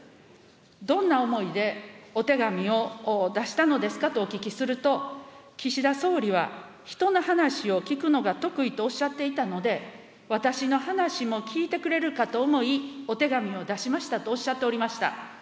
どんな思いでお手紙を出したのですかとお聞きすると、岸田総理は人の話を聞くのが得意とおっしゃっていたので、私の話も聞いてくれるかと思い、お手紙を出しましたとおっしゃっておりました。